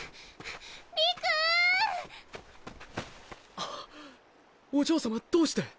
あお嬢様どうして！？